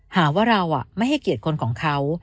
หาว่าเราไม่ให้เกียรติคนของเขา